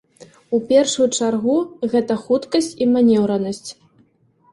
У першую чаргу, гэта хуткасць і манеўранасць.